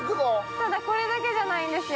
ただ、これだけじゃないんですよ